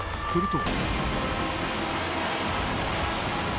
すると。